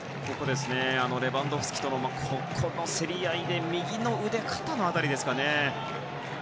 レバンドフスキとのここの競り合いで右の腕、肩の辺りですかね。